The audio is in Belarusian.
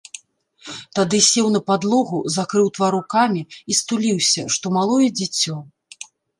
Тады сеў на падлогу, закрыў твар рукамі і стуліўся, што малое дзіцё.